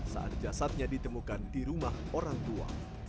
saat jasadnya ditemukan di rumah orang tua